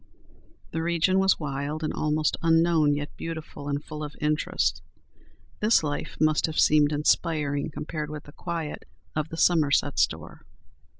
The region was wild and almost unknown, yet beautiful and full of interest. This life must have seemed inspiring compared with the quiet of the Somerset store.